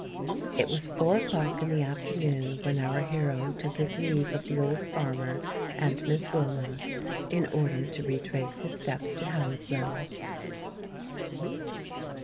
It was four o'clock in the afternoon when our hero took his leave of the old farmer and Miss Wilmot, in order to retrace his steps to Hounslow.